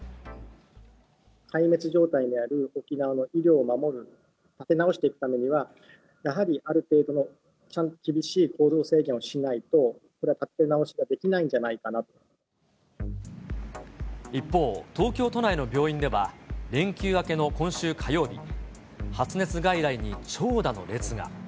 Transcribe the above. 壊滅状態にある沖縄の医療を守る、立て直していくためには、やはりある程度の厳しい行動制限をしないと、これはやっぱり立て一方、東京都内の病院では連休明けの今週火曜日、発熱外来に長蛇の列が。